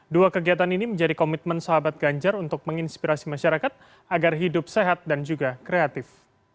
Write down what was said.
dua kegiatan ini menjadi komitmen sahabat ganjar untuk menginspirasi masyarakat agar hidup sehat dan juga kreatif